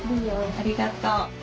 ありがとう。